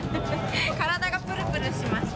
体がぷるぷるしました。